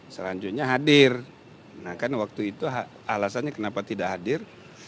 selanjutnya hadir nah kan waktu itu alasannya kenapa tidak hadir